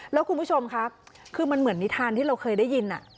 แล้วคุณผู้ชมครับคือมันเหมือนนิทานที่เราเคยได้ยิน